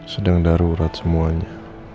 sedang darurat semuanya